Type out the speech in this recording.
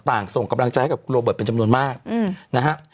ส่งกำลังใจให้กับคุณโรเบิร์ตเป็นจำนวนมากนะฮะ